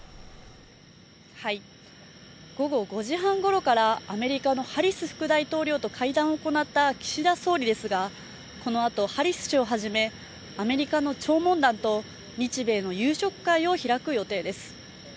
午後５時半ごろからアメリカのハリス副大統領と会談を行った岸田総理ですが、このあとハリス氏をはじめアメリカの弔問団と日米の夕食会を開く予定です。